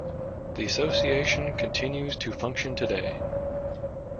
The Association continues to function today.